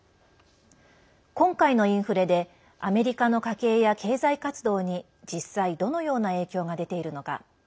今回のインフレでアメリカの家計や経済活動に実際どのような影響が出ているのか。